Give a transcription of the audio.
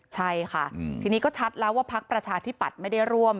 ใช่ค่ะทีนี้ก็ชัดแล้วว่าพักประชาธิปัตย์ไม่ได้ร่วม